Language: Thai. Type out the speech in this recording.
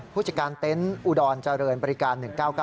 ผู้จัดการเต็นต์อุดรเจริญบริการ๑๙๙